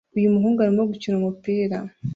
Uyu muhungu arimo gukina umupira